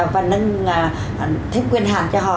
và nâng thêm quyền hàng cho họ